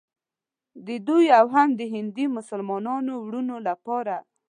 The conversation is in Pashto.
د دوی او هم د هندي مسلمانانو وروڼو لپاره.